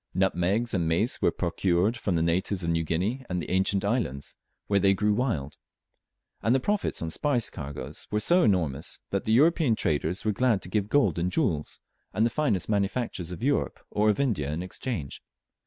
Nutmegs and mace were procured from the natives of New Guinea and the adjacent islands, where they grew wild; and the profits on spice cargoes were so enormous, that the European traders were glad to give gold and jewels, and the finest manufactures of Europe or of India, in exchange.